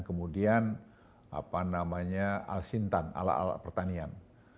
kemudian apa namanya al sintan alat alat pertanian